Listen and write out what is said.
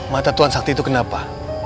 mata tuan sakti itu kenapa